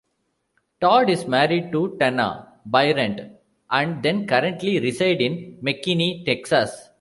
Todd is married to Tanna Bryant and they currently reside in McKinney, Texas.